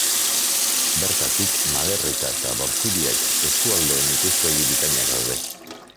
Bertatik Malerreka eta Bortziriak eskualdeen ikuspegi bikainak daude.